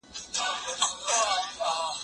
دا سينه سپينه له هغه پاکه ده!.